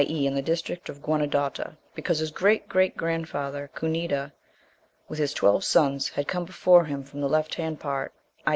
e. in the district of Guenedota, because his great great grandfather, Cunedda, with his twelve sons, had come before from the left hand part, i.